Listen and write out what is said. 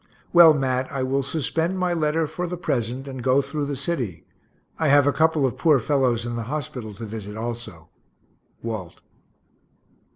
Well, Mat, I will suspend my letter for the present, and go through the city I have a couple of poor fellows in the hospital to visit also. WALT.